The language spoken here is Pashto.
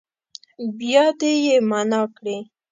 بیا دې يې معنا کړي.